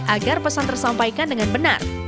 agar pesan tersampaikan dengan benar